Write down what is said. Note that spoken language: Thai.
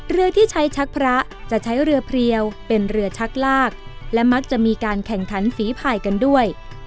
เรือที่ใช้ชักพระจะใช้เรือเพลียวเป็นเรือชักลากและมักจะมีการแข่งขันฝีภายกันด้วย